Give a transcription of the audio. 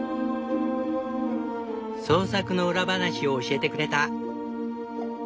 創作の裏話を教えてくれた。